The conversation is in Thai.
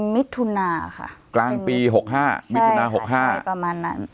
มิทุนาค่ะกลางปีหกห้าใช่ค่ะมิทุนาหกห้าใช่ประมาณนั้น